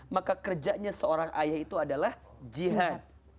maka kerjanya seorang ayah itu adalah jihad